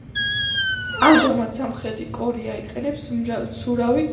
ამჟამად, სამხრეთი კორეა იყენებს მცურავი გაცვლითი კურსის რეჟიმს.